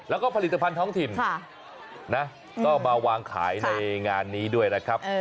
แล้วก็ผลิตภัณฑ์ท้องถิ่นนะก็มาวางขายในงานนี้ด้วยนะครับ